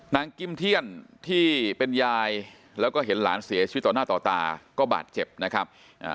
กิมเทียนที่เป็นยายแล้วก็เห็นหลานเสียชีวิตต่อหน้าต่อตาก็บาดเจ็บนะครับ